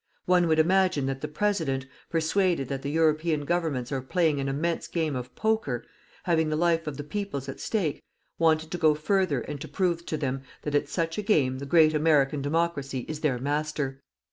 One would imagine that the President, persuaded that the European Governments are playing an immense game of "poker" having the life of the peoples at stake, wanted to go further and to prove to them that at such a game the great American democracy is their master.